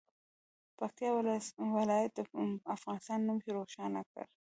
پکتیکا ولایت د افغانستان نوم روښانه کړي.